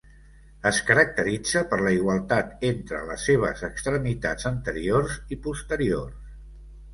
Es caracteritza per la igualtat entre les seves extremitats anteriors i posteriors.